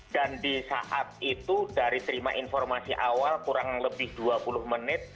dan di saat itu dari terima informasi awal kurang lebih dua puluh menit